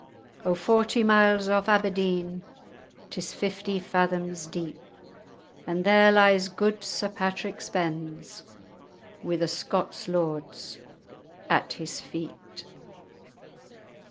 [#] Golden combs. O forty miles off Aberdeen, 'Tis fifty fathoms deep, And there lies gude Sir Patrick Spens, Wi' the Scots lords at his feet."